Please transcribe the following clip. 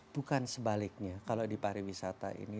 bukan sebaliknya kalau di pariwisata ini